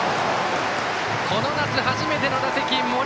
この夏初めての打席、森